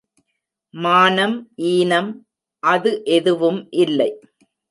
மானம் ஈனம் அது எதுவும் இல்லை.